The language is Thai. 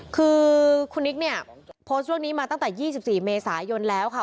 คือคุณนิกเนี่ยโพสต์เรื่องนี้มาตั้งแต่๒๔เมษายนแล้วค่ะ